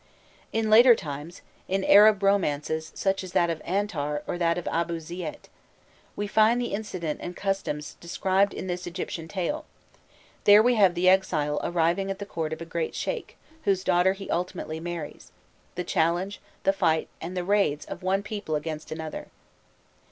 In later times, in Arab romances such as that of Antar or that of Abû Zeît, we find the incidents and customs described in this Egyptian tale; there we have the exile arriving at the court of a great sheikh whose daughter he ultimately marries, the challenge, the fight, and the raids of one people against another.